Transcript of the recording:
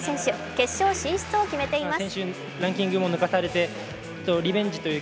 決勝進出を決めています。